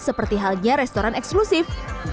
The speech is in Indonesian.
seperti halnya restoran eksklusif